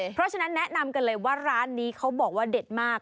เพราะฉะนั้นแนะนำกันเลยว่าร้านนี้เขาบอกว่าเด็ดมาก